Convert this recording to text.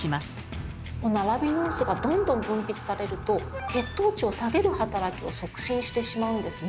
このアラビノースがどんどん分泌されると血糖値を下げる働きを促進してしまうんですね。